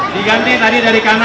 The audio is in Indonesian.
diganti tadi dari kanan